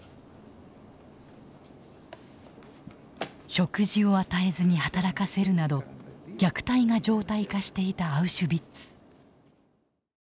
食事を与えずに働かせるなど虐待が常態化していたアウシュビッツ。